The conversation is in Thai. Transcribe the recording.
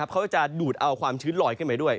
เขาก็จะดูดเอาความชื้นลอยขึ้นไปด้วย